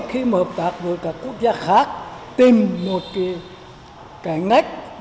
khi mà hợp tác với các quốc gia khác tìm một cái ngách để mà có thể là làm đột phá